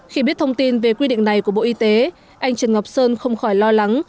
khi biết thông tin về quy định này của bộ y tế anh trần ngọc sơn không khỏi lo lắng